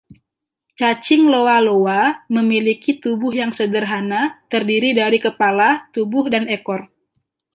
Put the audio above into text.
Cacing “Loa loa” memiliki tubuh yang sederhana terdiri dari kepala, tubuh, dan ekor.